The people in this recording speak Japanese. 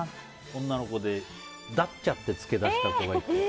女の子で「だっちゃ」ってつけ出した子がいて。